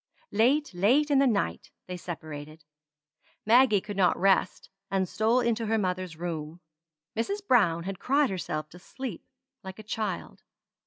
Late, late in the night they separated. Maggie could not rest, and stole into her mother's room. Mrs. Browne had cried herself to sleep, like a child.